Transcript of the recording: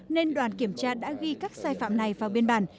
nên đoàn kiểm tra đã ghi các sai phạm này vào biên bản